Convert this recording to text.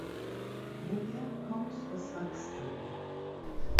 Woher kommt das Wachstum?